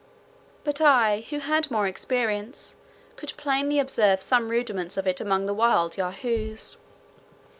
But I, who had more experience, could plainly observe some rudiments of it among the wild Yahoos.